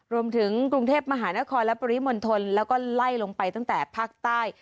รวมถึงกรุงเทพมหานครและปริมณฑลแล้วก็ไล่ลงไปตั้งแต่ภาคใต้